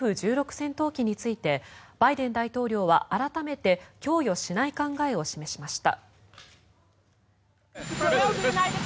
戦闘機についてバイデン大統領は改めて供与しない考えを示しました。